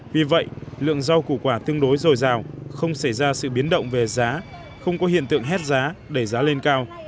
vì vậy lượng rau củ quả tương đối dồi dào không xảy ra sự biến động về giá không có hiện tượng hét giá đẩy giá lên cao